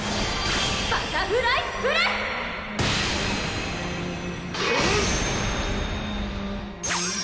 バタフライプレス‼ラン！